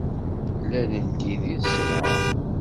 Lal n tiddi d ṣenɛa.